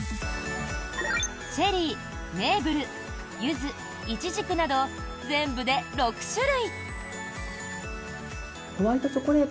チェリー、ネーブルユズ、イチジクなど全部で６種類。